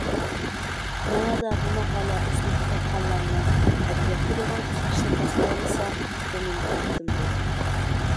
ناۋادا بۇ ماقالە ئۆسمۈر كىتابخانلارنىڭ ئەدەبىياتقا بولغان قىزىقىشىنى قوزغىيالىسا، بۇ مېنىڭ بەختىمدۇر.